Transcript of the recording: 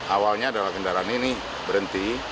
awalnya adalah kendaraan ini berhenti